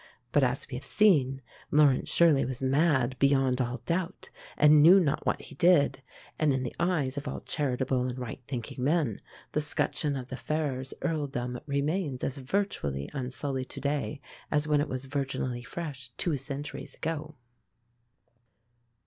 But, as we have seen, Laurence Shirley was mad beyond all doubt, and "knew not what he did"; and in the eyes of all charitable and right thinking men the 'scutcheon of the Ferrers Earldom remains as virtually unsullied to day as when it was virginally fresh two centuries ago.